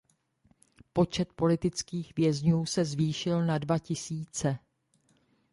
Počet politických vězňů se zvýšil na dva tisíce.